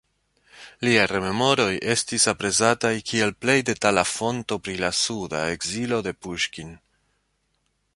Liaj rememoroj estis aprezataj kiel plej detala fonto pri la suda ekzilo de Puŝkin.